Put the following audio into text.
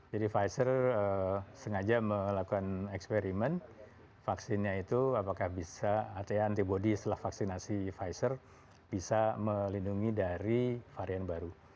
jadi pfizer sengaja melakukan eksperimen vaksinnya itu apakah bisa artinya antibody setelah vaksinasi pfizer bisa melindungi dari varian baru